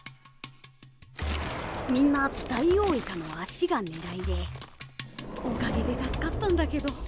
みんなダイオウイカの足が狙いでおかげで助かったんだけど。